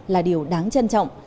là điều đáng chân sở